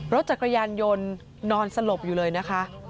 รถจักรยานยนต์นอนสลบอยู่เลยนะคะ